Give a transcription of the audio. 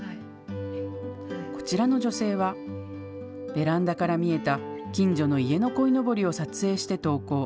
こちらの女性は、ベランダから見えた近所の家のこいのぼりを撮影して投稿。